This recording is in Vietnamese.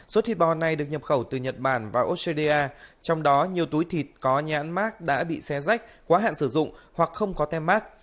số thịt bò này được nhập khẩu từ nhật bản và australia trong đó nhiều túi thịt có nhãn mát đã bị xe rách quá hạn sử dụng hoặc không có tem mát